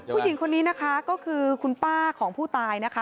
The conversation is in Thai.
ผู้หญิงคนนี้นะคะก็คือคุณป้าของผู้ตายนะคะ